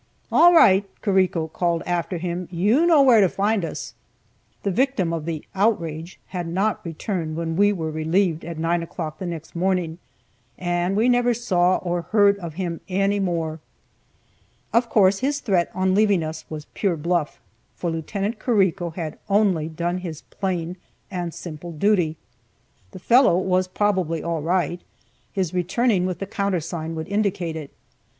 "All right!" Carrico called after him, "you know where to find us." The victim of the "outrage" had not returned when we were relieved at 9 o'clock the next morning, and we never saw or heard of him any more. Of course his threat on leaving us was pure bluff, for Lieut. Carrico had only done his plain and simple duty. The fellow was probably all right; his returning with the countersign would indicate it.